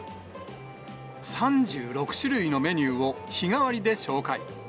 ３６種類のメニューを日替わりで紹介。